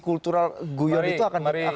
kultural guyon itu akan